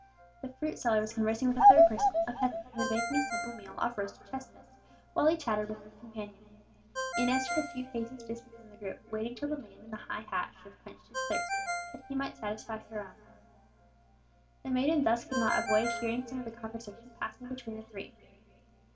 The fruit seller was conversing with a third person a peasant who was making a simple meal off roasted chestnuts, while he chatted with his companion. Inez stood a few paces distant from the group, waiting till the man in the high hat should have quenched his thirst, that she might satisfy her own. The maiden thus could not avoid hearing some of the conversation passing between the three.